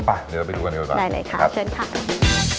ป่ะเดี๋ยวเราไปดูกันดีกว่าก่อนค่ะได้เลยค่ะชินค่ะ